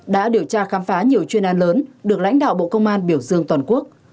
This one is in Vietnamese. đã điều tra khám phá nhiều chuyên an lớn được lãnh đạo bộ công an biểu dương toàn quốc